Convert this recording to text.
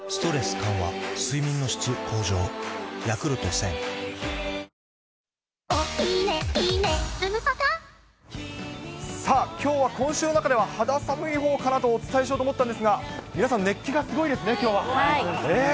選ぶ日がきたらクリナップさあ、きょうは今週の中では肌寒いほうかなとお伝えしようと思ったんですが、皆さん、熱気がすごいですね、きょうは。